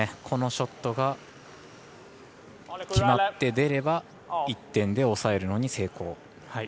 このショットが決まって出れば１点で抑えるのに成功。